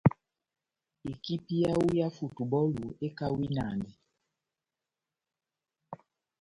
Ekipi yawu yá futubɔlu ekawinandi.